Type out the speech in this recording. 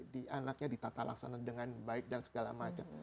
di anaknya ditata laksana dengan baik dan segala macam